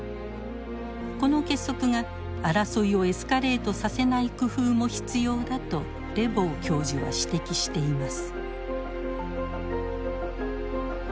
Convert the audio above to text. この結束が争いをエスカレートさせない工夫も必要だとレボー教授は指摘しています。